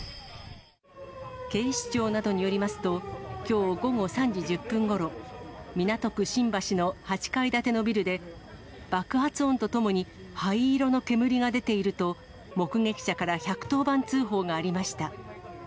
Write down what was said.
警視庁などによりますと、きょう午後３時１０分ごろ、港区新橋の８階建てのビルで、爆発音とともに灰色の煙が出ていると、目撃者から１１０番通報がありました。